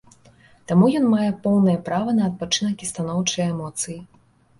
Таму ён мае поўнае права на адпачынак і станоўчыя эмоцыі.